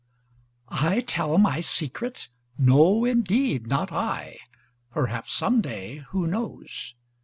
I tell my secret? No indeed, not I: Perhaps some day, who knows?